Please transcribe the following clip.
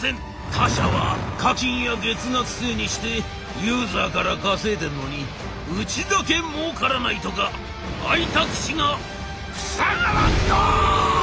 「他社は課金や月額制にしてユーザーから稼いでんのにうちだけもうからないとか開いた口が塞がらんぞ！」。